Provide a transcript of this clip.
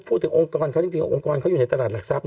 พูดถึงองค์กรเขาจริงองค์กรเขาอยู่ในตลาดหลักทรัพย